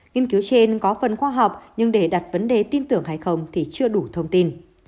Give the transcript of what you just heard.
nghiên cứu trên có phần khoa học nhưng để đặt vấn đề tin tưởng hay không thì chưa đủ thông tin